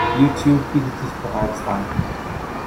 Youtube bietet dies bereits an.